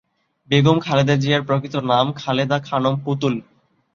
বেগম খালেদা জিয়ার প্রকৃত নাম খালেদা খানম পুতুল।